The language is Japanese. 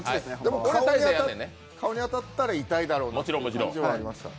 顔に当たったら痛いだろうなという感じはありましたね。